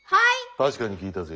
確かに聞いたぜ？